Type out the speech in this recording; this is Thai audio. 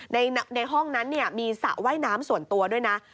ในห้องนั้นมีสระว่ายน้ำส่วนตัวด้วยนะ